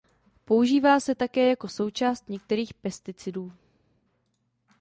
Používá se také jako součást některých pesticidů.